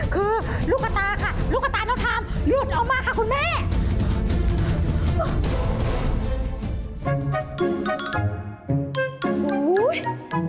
คือลูกกระตาค่ะลูกกระตาน้องทามหลุดออกมาค่ะคุณแม่